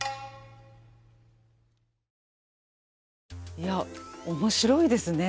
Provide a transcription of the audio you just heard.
いや面白いですね。